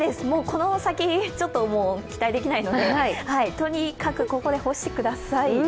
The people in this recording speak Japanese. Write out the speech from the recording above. この先ちょっともう期待できないのでとにかくここで干してください。